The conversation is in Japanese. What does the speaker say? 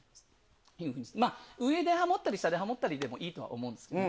上でハモったり下でハモったりでいいとは思うんですけど。